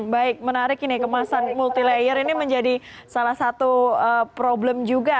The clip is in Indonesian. baik menarik ini kemasan multi layer ini menjadi salah satu problem juga